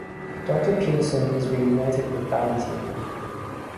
Doctor Petersen is reunited with Ballantyne.